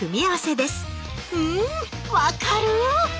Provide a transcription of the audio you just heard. うん分かる！